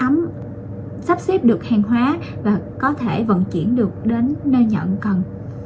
các máy ấm sắp xếp được hèn hóa và có thể vận chuyển được đến nơi nhận cần